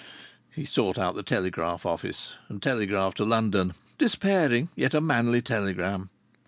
He sought out the telegraph office, and telegraphed to London despairing, yet a manly telegram.